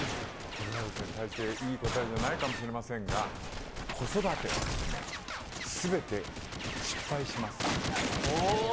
これは、大していい答えじゃないかもしれませんが子育ては全て失敗します。